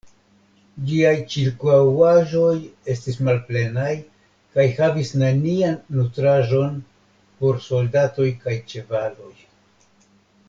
Ĝiaj ĉirkaŭaĵoj estis malplenaj kaj havis nenian nutraĵon por soldatoj kaj ĉevaloj.